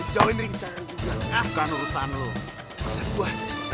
tidak ada apa apa